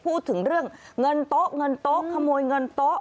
พูดถึงเรื่องเงินโต๊ะเงินโต๊ะขโมยเงินโต๊ะ